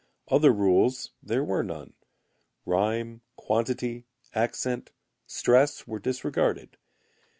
Other rules there were none. Rhyme, quantity, accent, stress were disregarded.